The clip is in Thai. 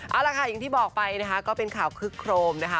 เอาล่ะค่ะอย่างที่บอกไปนะคะก็เป็นข่าวคึกโครมนะคะ